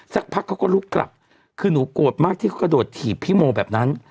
สักพักเขาก็ลุกกลับคือหนูโกรธมากที่เขากระโดดถีบพี่โมแบบนั้น